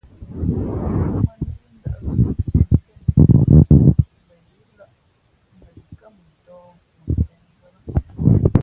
Yūʼmᾱnjíí ndάʼsí ntíéntíé nu mbα yǐ lᾱ mbα yi kά mʉntōh mα mfěnzᾱ lά.